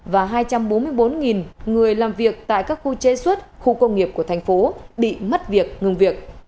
và hai trăm bốn mươi bốn người làm việc tại các khu chế xuất khu công nghiệp của thành phố bị mất việc ngừng việc